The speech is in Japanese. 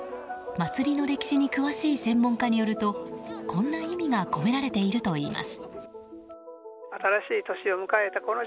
祭の歴史に詳しい専門家によるとこんな意味が込められているといいます。